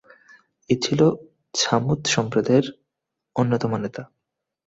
এ ছিল ছামূদ সম্প্রদায়ের অন্যতম নেতা।